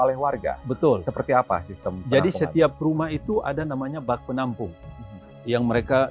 oleh warga betul seperti apa sistem jadi setiap rumah itu ada namanya bak penampung yang mereka